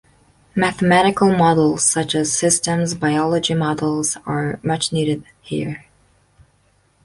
Mathematical models, such as systems biology models, are much needed here.